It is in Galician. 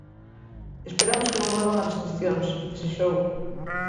Esperamos que non volvan as restricións, desexou.